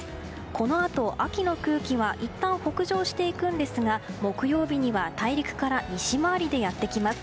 このあと、秋の空気がいったん北上していくんですが木曜日には大陸から西回りでやってきます。